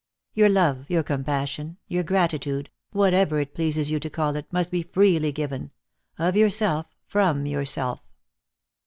Your love, your compassion, your gratitude, whatever it pleases you to call it, must be freely given ; of your self, from yourself."